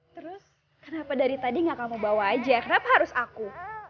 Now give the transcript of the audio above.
terus kenapa dari tadi gak kamu bawa aja kenapa harus aku